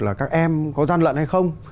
là các em có gian lận hay không